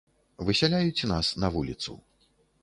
Высяляюць нас на вуліцу.